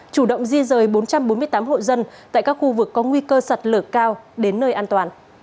chủ động di rời bốn trăm bốn mươi năm tàu đậu